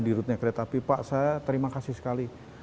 dirutnya kereta pipa saya terima kasih sekali